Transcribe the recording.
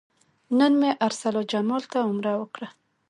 نن مې ارسلا جمال ته عمره وکړه.